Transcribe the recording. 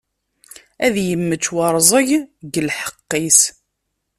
Ad yemmečč warẓeg deg lḥeqq-is.